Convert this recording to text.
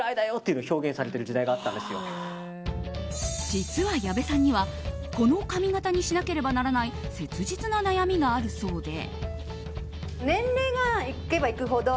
実は矢部さんにはこの髪形にしなければならない切実な悩みがあるそうで。